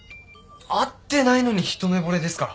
会ってないのに一目ぼれですか？